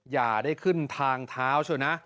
อย่าได้ขึ้นทางเท้าเชียวนะ